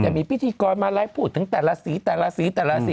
แต่มีพี่ธีกรมาไลฟ์พูดถึงแต่ละสี